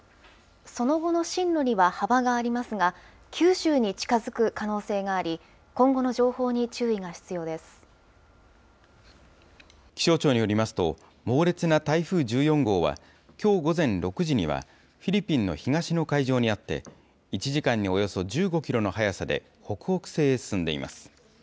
その後の進路には幅がありますが、九州に近づく可能性があり、気象庁によりますと、猛烈な台風１４号は、きょう午前６時にはフィリピンの東の海上にあって、１時間におよそ１５キロの速さで北北西へ進んでいます。